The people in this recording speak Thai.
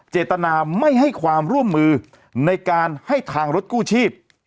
เจตนาไม่ให้ความร่วมมือในการให้ทางรถกู้ชีพ